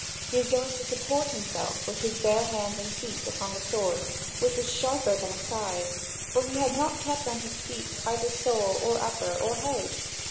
He is going to support himself with his bare hands and feet upon the sword, which was sharper than a scythe, for he had not kept on his feet either sole or upper or hose.